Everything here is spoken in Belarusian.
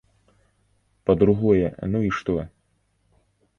Па-другое, ну і што?